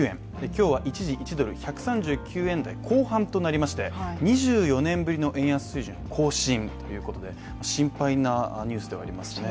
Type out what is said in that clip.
今日は一時１ドル＝１３９円台後半となりまして２４年ぶりの円安水準更新ということで心配なニュースではありますよね。